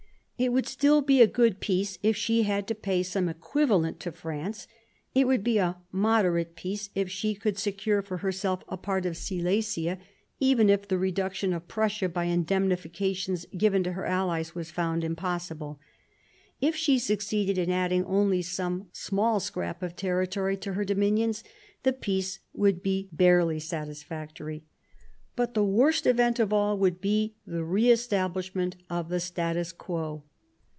It would still be a good peace if she had to pay some equivalent to France. It would be a moderate peace, if she could secure for herself a part of Silesia, even if 1760 63 THE SEVEN YEARS* WAR 173 the reduction of Prussia by indemnifications given to her allies was found impossible. If she succeeded in adding only some small scrap of territory to her dominions, the peace would be barely satisfactory. But the worst event of all would be the re establish ment of the status quo.